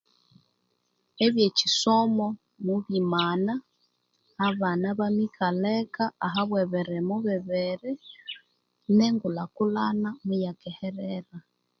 Ebyekisomo mwebimana abana bamikalha eka aha bwebirimo bibiri nengulhakulhana muyakeherera